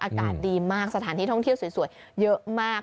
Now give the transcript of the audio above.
อากาศดีมากสถานที่ท่องเที่ยวสวยเยอะมาก